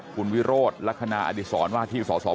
ไปพบผู้ราชการกรุงเทพมหานครอาจารย์ชาติชาติชาติฝิทธิพันธ์นะครับ